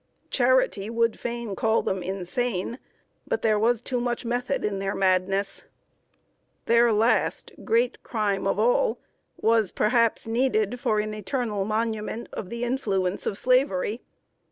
Charity would fain call them insane; but there was too much method in their madness. [Sidenote: A DEED WITHOUT A NAME.] Their last, great crime of all was, perhaps, needed for an eternal monument of the influence of Slavery.